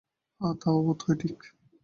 হ্যাঁ তাও বোধ হয় ঠিক।